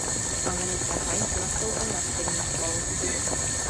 V Americe Heinz nastoupil na Střední školu.